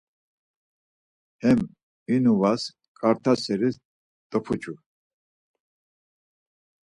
Hem inuvas ǩart̆a seris dopuçu.